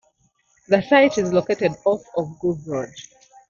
The site is located off of Grove Road.